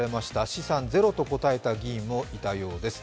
資産ゼロと答えた議員もいたようです。